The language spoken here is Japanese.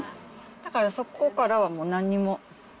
だからそこからはもうなんにも。